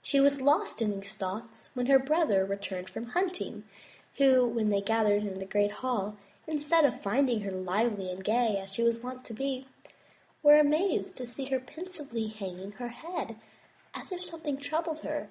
She was lost in these thoughts when her brothers returned from hunting, who, when they entered the great hall, instead of finding her lively and gay as she was wont to be, were amazed to see her pensively hanging her head as if something troubled her.